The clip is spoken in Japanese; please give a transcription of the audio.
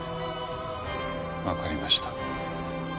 わかりました。